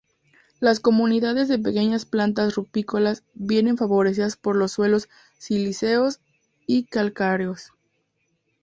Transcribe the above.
Las comunidades de pequeñas plantas rupícolas vienen favorecidas por los suelos silíceos y calcáreos.